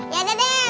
ya deh deh